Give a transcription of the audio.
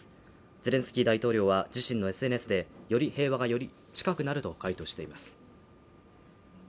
ゼレンスキー大統領は自身のＳＮＳでより平和が近くなると回答しています。